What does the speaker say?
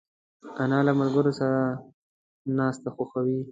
انا له ملګرو سره ناستې خوښوي